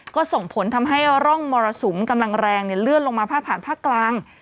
ก็ส่งผลทำให้ร่องมรสุมกำลังแรงเลื่อนลงมาพาดผ่านภาคกลาง